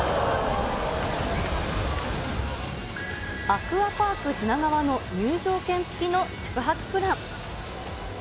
アクアパーク品川の入場券付きの宿泊プラン。